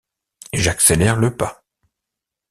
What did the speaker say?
J’accélère le pas.